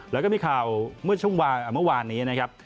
แล้วก็มีข่าวเมื่อช่วงเมื่อวานนี้นะครับ